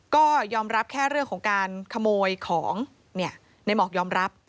ก็ยอมรับแค่เรื่องของการขโมยของในหมอกยอมรับ